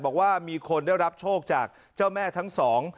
บอกว่ามีคนได้รับโชคจากเจ้าแม่ทั้งสอง